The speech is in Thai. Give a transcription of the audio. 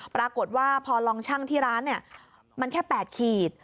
ปรากฏว่าพอลองชั่งที่ร้านมันแค่๘ขีด